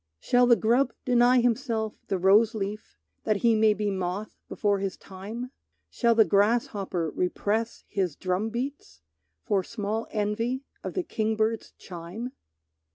Shall the grub deny himself the rose leaf That he may be moth before his time? Shall the grasshopper repress his drumbeats For small envy of the kingbird's chime?